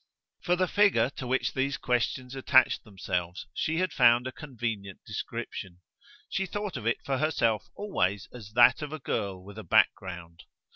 For the figure to which these questions attached themselves she had found a convenient description she thought of it for herself always as that of a girl with a background.